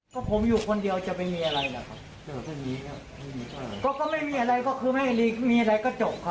คุณลุงเจ้าของบ้านนะคะนายสุภาชัยสุธิวิวัฒน์อายุ๖๔นะคะ